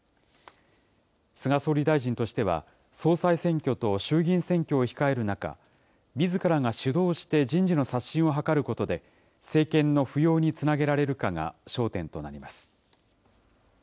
菅総理大臣としては、総裁選挙と衆議院選挙を控える中、みずからが主導して人事の刷新を図ることで、政権の浮揚につなげられるかが焦点となります。